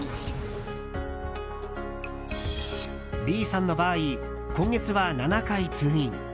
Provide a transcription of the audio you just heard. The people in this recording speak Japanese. Ｂさんの場合、今月は７回通院。